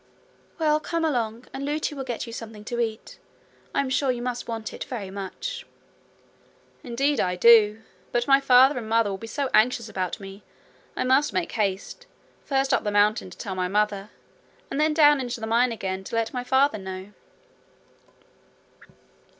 'Well, come along, and Lootie will get you something to eat. I am sure you must want it very much.' 'Indeed I do. But my father and mother will be so anxious about me, I must make haste first up the mountain to tell my mother, and then down into the mine again to let my father know.'